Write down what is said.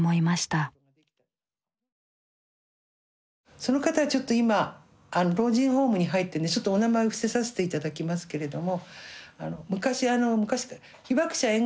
その方はちょっと今老人ホームに入ってるんでちょっとお名前を伏せさせて頂きますけれども。